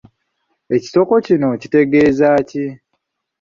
Ekisoko kino kitegeeza ki?